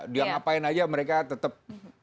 dia ngapain aja mereka tetap